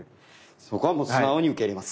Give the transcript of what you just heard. そこはもう素直に受け入れます。